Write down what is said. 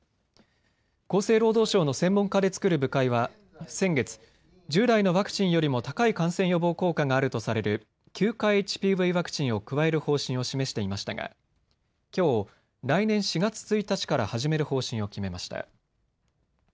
厚生労働省の専門家で作る部会は先月、従来のワクチンよりも高い感染予防効果があるとされる９価ＨＰＶワクチンを加える方針を示していましたがきょう来年４月１日から始める方針を決めました。